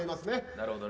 なるほどね。